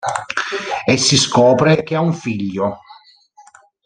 E si scopre che ha un figlio.